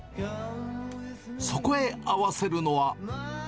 そこへ合わせるのは。